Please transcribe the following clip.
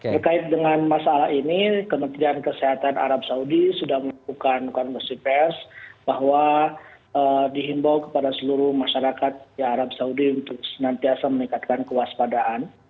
berkait dengan masalah ini kementerian kesehatan arab saudi sudah melakukan konversi pers bahwa dihimbau kepada seluruh masyarakat di arab saudi untuk senantiasa meningkatkan kewaspadaan